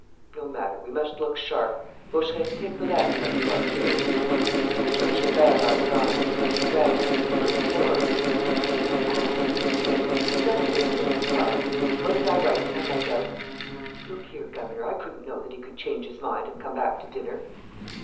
"No matter, we must look sharp. Vaucheray, take the lamp and let's go upstairs." He took Gilbert by the arm and, as he dragged him to the first floor: "You ass," he said, "is that the way you make inquiries? Wasn't I right to have my doubts?" "Look here, governor, I couldn't know that he would change his mind and come back to dinner."